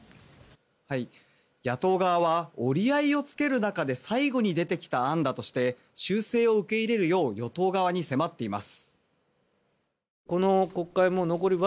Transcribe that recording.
野党側は折り合いをつける中で最後に出てきた案だとして修正を受け入れるよう与党側に迫っています。